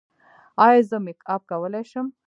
ایا زه میک اپ کولی شم؟